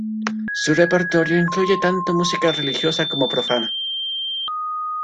Su repertorio incluye tanto música religiosa como profana.